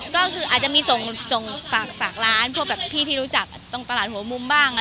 ก็คืออาจจะมีจงส่างร้านพี่ที่ต้องรู้จักร้านหัวมุมบ้าง